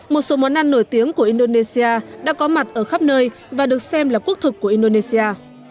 một số món ăn nổi tiếng của indonesia đã có mặt ở khắp nơi và được xem là quốc thực của indonesia